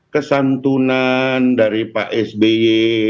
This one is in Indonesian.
kesantunan dari pak sby